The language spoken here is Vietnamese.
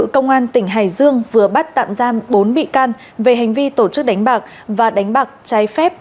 công an tỉnh hải dương vừa bắt tạm giam bốn bị can về hành vi tổ chức đánh bạc và đánh bạc trái phép